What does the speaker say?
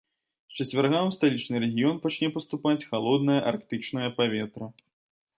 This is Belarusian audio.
З чацвярга ў сталічны рэгіён пачне паступаць халоднае арктычнае паветра.